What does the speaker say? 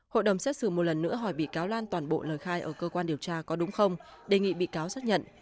hội đồng xét xử một lần nữa hỏi bị cáo lan toàn bộ lời khai ở cơ quan điều tra có đúng không đề nghị bị cáo xác nhận